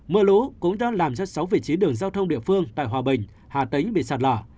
mưa lũ cũng đang làm cho sáu vị trí đường giao thông địa phương tại hòa bình hà tĩnh bị sạt lở